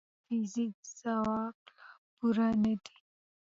د فزیک خواب لا پوره نه دی.